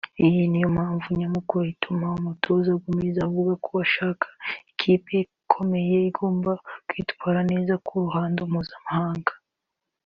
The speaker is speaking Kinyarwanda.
Iyo niyo mpamvu nyamukuru ituma Umutoza Gomez avuga ko ashaka ikipe ikomeye igomba kwitwara neza ku ruhando mpuzamahanga